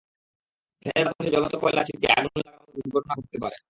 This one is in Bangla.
ফ্যানের বাতাসে জ্বলন্ত কয়লা ছিটকে আগুন লাগার মতো দুর্ঘটনা ঘটতে পারে।